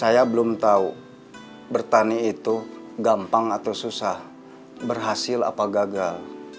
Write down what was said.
saya belum tahu bertani itu gampang atau susah berhasil apa gagal